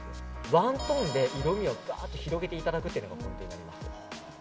ワントーンで色味を広げていただくのがポイントになります。